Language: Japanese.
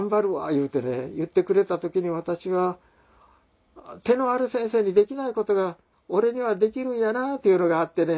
いうてね言ってくれた時に私は手のある先生にできないことが俺にはできるんやなあというのがあってね